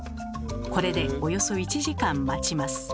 これでおよそ１時間待ちます。